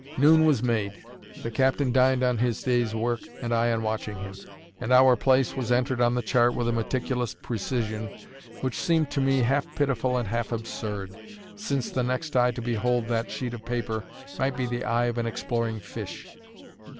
Noon was made; the captain dined on his day's work, and I on watching him; and our place was entered on the chart with a meticulous precision which seemed to me half pitiful and half absurd, since the next eye to behold that sheet of paper might be the eye of an exploring fish.